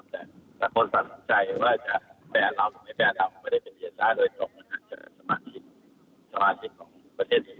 แต่ละคนสักใจว่าจะแวนลำไม่ใช่แวนลำไม่ได้เป็นเบียดท่าโดยตกละเจอสำาคัญของประเทศอีย์